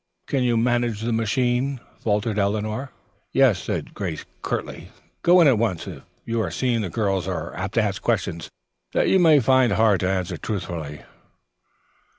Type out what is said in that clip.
"Can you manage the machine?" faltered Eleanor. "Yes," said Grace curtly. "Go in at once. If you are seen, the girls are apt to ask questions that you may find hard to answer truthfully."